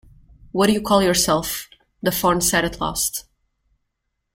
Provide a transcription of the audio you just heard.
‘What do you call yourself?’ the Fawn said at last.